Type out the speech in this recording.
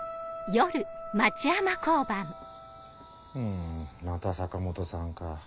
んまた坂本さんか。